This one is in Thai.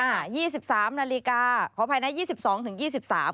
ยี่สิบสามนาฬิกาขออภัยนะยี่สิบสองถึงยี่สิบสาม